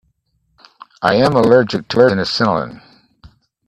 I am allergic to penicillin.